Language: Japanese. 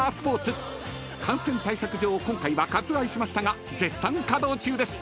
［感染対策上今回は割愛しましたが絶賛稼働中です。